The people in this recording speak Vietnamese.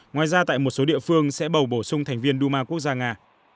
ngoài ra tại một số địa phương sẽ bầu bổ sung thành viên duma quốc gia nga